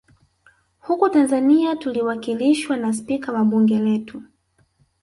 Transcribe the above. Huku Tanzania tuliwakilishwa na spika wa bunge letu